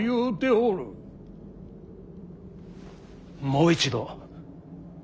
もう一度。